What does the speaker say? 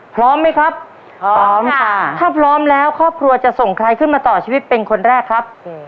พร้อมไหมครับพร้อมค่ะถ้าพร้อมแล้วครอบครัวจะส่งใครขึ้นมาต่อชีวิตเป็นคนแรกครับ